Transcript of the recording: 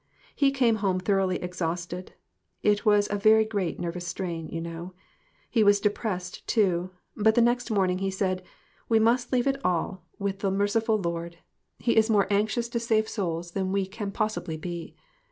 He came home thoroughly exhausted ; it was a very great nervous strain, you know. He was depressed, too, but the next morning he said, 'We must leave it all with the 54 TOTAL DEPRAVITY. merciful Lord ; he is more anxious to save souls than we can possibly be.'